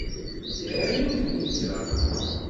Sɛiɣ yiwet n tuttra.